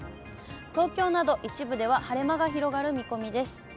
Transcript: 東京など一部では晴れ間が広がる見込みです。